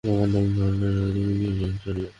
তোমার কোনো ধারণাও নেই তুমি কী করছো, রিয়াজ।